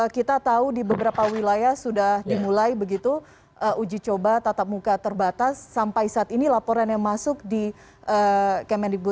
kita tahu di beberapa wilayah sudah dimulai begitu uji coba tatap muka terbatas sampai saat ini laporan yang masuk di kemendikbud